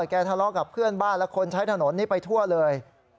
ทะเลาะกับเพื่อนบ้านและคนใช้ถนนนี้ไปทั่วเลย